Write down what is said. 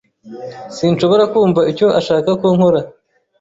Sinshobora kumva icyo ashaka ko nkora.